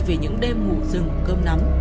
về những đêm ngủ rừng cơm nắm